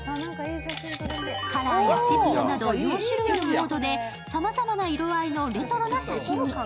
カラーやセピアなど４種類のモードでさまざまな色合いのレトロな写真に。